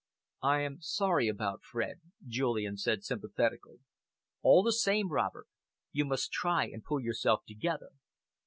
"I am sorry about Fred," Julian said sympathetically. "All the same, Robert, you must try and pull yourself together."